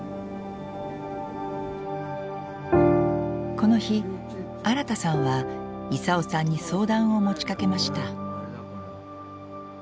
この日新さんは功さんに相談を持ちかけました。